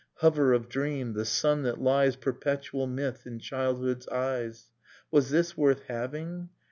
Hover of dream, the sun that lies Perpetual myth in childhood's eyes? Was this worth having?